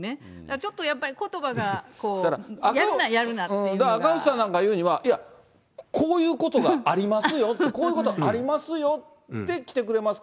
ちょっとやっぱりことばが、だから、赤星さんなんか言うには、いや、こういうことがありますよって、こういうことありますよって、で、来てくれますか？